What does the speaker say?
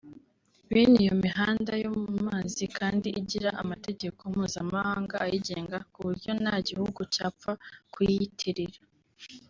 Bene iyo mihanda yo mu mazi kandi igira amategeko mpuzamahanga ayigenga ku buryo nta gihugu cyapfa kuyiyitirira